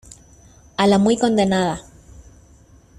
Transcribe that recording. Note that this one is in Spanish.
a la muy condenada.